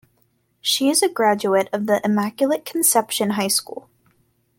She is a graduate of The Immaculate Conception High School.